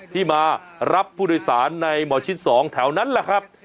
ที่มารับผู้โดยสารในหมอชิด๒แถวนั้นแหละครับ